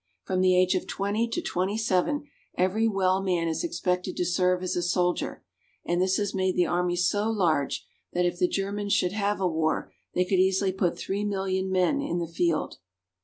From the age of twenty to twenty seven every well man is expected to serve as a soldier, and this has made the army so large that if the Germans should have a war they could easily put three million men in the field.